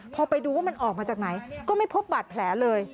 พอไปดูว่ามันออกมาจากไหนก็ไม่พบบาดแผลเลย